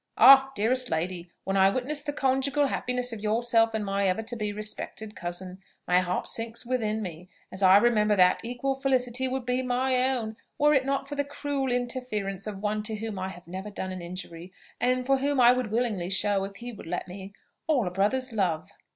Ah! dearest lady! when I witness the conjugal happiness of yourself and my ever to be respected cousin, my heart sinks within me, as I remember that equal felicity would be my own, were it not for the cruel interference of one to whom I have never done an injury, and for whom I would willingly show, if he would let me, all a brother's love."